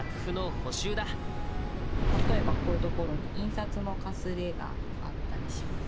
例えばこういうところに印刷のかすれがあったりします。